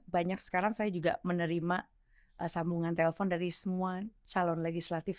banyak sekarang saya juga menerima sambungan telepon dari semua calon legislatif